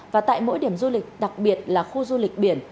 và tại mỗi điểm du lịch đặc biệt là khu du lịch biển